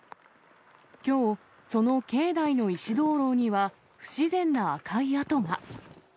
きょう、その境内の石灯籠には、不自然な赤い跡が。